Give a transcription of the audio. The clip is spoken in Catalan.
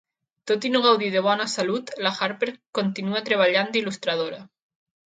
Tot i no gaudir de bona salud, la Harper continua treballant d"il·lustradora.